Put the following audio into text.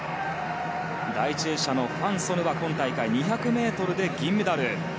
第１泳者のファン・ソヌは今大会２００ｍで銀メダル。